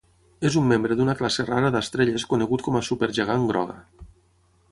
És un membre d'una classe rara d'estrelles conegut com a supergegant groga.